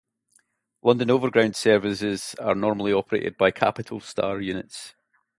London Overground services are normally operated by "Capitalstar" units.